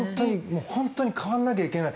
本当に変わらなきゃいけない。